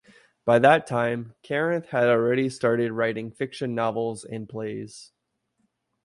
By that time Karanth had already started writing fiction novels and plays.